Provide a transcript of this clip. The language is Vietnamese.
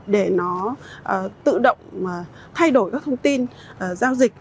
để nó tự động thay đổi các thông tin giao dịch